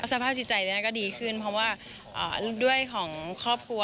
สภาพจิตใจก็ดีขึ้นเพราะว่าด้วยของครอบครัว